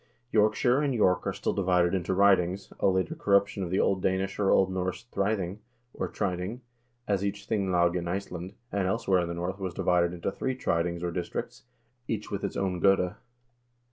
Yorkshire and York are still divided into ridings, a later corruption of the Old Danish, or Old Norse, thrithing or triding, as each thinglag in Iceland, and elsewhere in the North, was divided into three tridings or districts, each with its own gode.